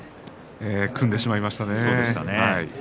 組んでしまいましたからね。